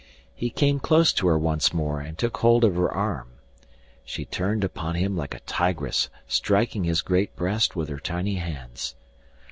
He came close to her once more and took hold of her arm. She turned upon him like a tigress, striking his great breast with her tiny hands.